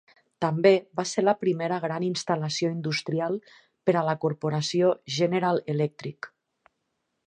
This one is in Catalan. També va ser la primera gran instal·lació industrial per a la corporació General Electric.